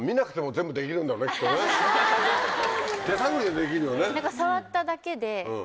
きっとね手探りでできるよね。